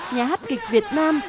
nhà hát kịch việt nam